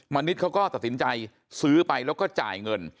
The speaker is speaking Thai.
ณิชย์เขาก็ตัดสินใจซื้อไปแล้วก็จ่ายเงิน